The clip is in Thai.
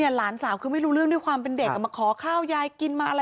หลานสาวก็ไม่รู้เรื่องความเป็นเด็กกำลังมาขอข้าวยายกินมาค่ะ